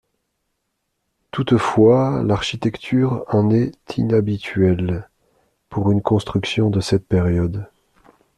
Toutefois, l'architecture en est inhabituelle pour une construction de cette période.